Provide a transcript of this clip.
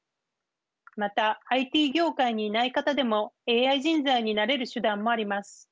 またＩＴ業界にいない方でもＡＩ人材になれる手段もあります。